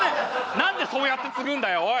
何でそうやってつぐんだよおい！